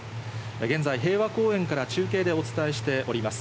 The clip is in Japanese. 現在、平和公園から中継でお伝えしております。